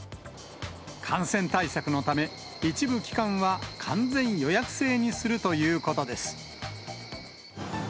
感染対策のため、一部期間は完全予約制にするということです。